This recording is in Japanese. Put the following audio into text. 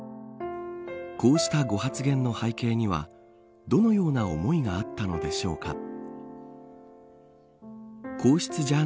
こうしたご発言の背景にはどのような思いがあったのでしょうか。